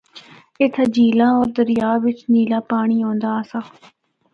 اِتھا جھیلاں ہور دریا بچ نیلا پانڑی ہوندا آسا۔